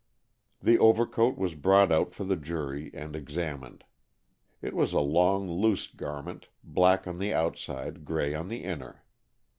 The overcoat was brought out for the jury and examined. It was a long, loose garment, black on the outside, gray on the inner.